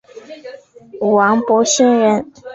王柏心人。